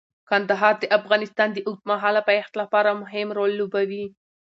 کندهار د افغانستان د اوږدمهاله پایښت لپاره مهم رول لوبوي.